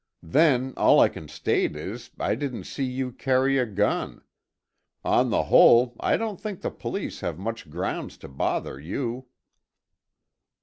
Then all I can state is, I didn't see you carry a gun. On the whole, I don't think the police have much grounds to bother you."